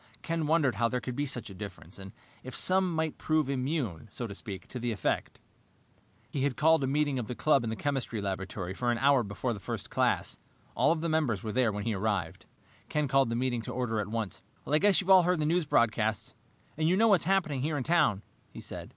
Ken wondered how there could be such a difference, and if some might prove immune, so to speak, to the effect. He had called a meeting of the club in the chemistry laboratory for an hour before the first class. All of the members were there when he arrived. Ken called the meeting to order at once. "I guess you've all heard the news broadcasts, and you know what's happening here in town," he said.